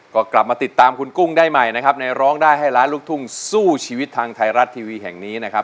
ก็กลับมาติดตามคุณกุ้งได้ใหม่นะครับในร้องได้ให้ล้านลูกทุ่งสู้ชีวิตทางไทยรัฐทีวีแห่งนี้นะครับ